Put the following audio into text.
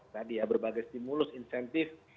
tadi ya berbagai stimulus insentif